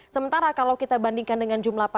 sementara kalau kita bandingkan dengan jumlah